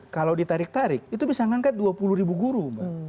kalau ditarik tarik itu bisa mengangkat dua puluh ribu guru mbak